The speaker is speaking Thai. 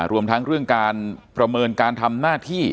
รวมทั้งเรื่องการประเมินการทำหน้าที่